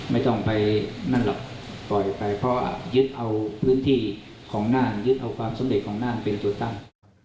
ไม่ต้องไปนั่นหรอกปล่อยไปเพราะยึดเอาพื้นที่ของน่านยึดเอาความสำเร็จของน่านเป็นตัวตั้ง